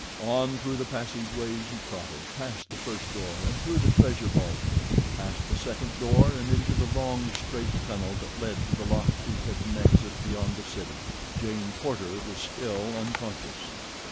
On through the passageways he trotted, past the first door and through the treasure vault; past the second door and into the long, straight tunnel that led to the lofty hidden exit beyond the city. Jane Porter was still unconscious.